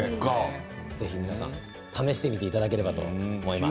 ぜひ皆さん試してみていただければと思います。